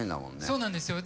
そうなんですよ